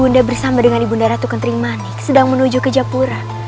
ibu nda bersama dengan ibu nda ratu kentering manik sedang menuju ke japura